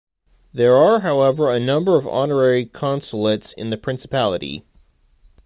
There are, however, a number of honorary consulates in the principality.